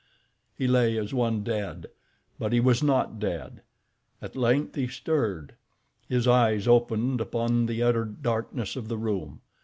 He lay as one dead; but he was not dead. At length he stirred. His eyes opened upon the utter darkness of the room.